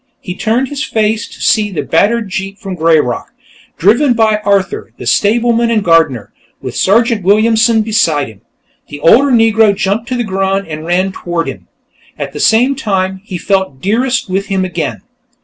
He turned his face, to see the battered jeep from "Greyrock," driven by Arthur, the stableman and gardener, with Sergeant Williamson beside him. The older Negro jumped to the ground and ran toward him. At the same time, he felt Dearest with him again.